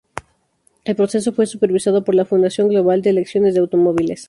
El proceso fue supervisado por la Fundación Global de elecciones de automóviles.